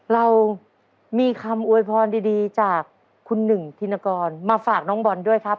เรามีคำอวยพรดีจากคุณหนึ่งธินกรมาฝากน้องบอลด้วยครับ